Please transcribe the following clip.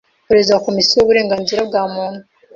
Perezida wa Komisiyo y’Uburenganzira bwa muntu,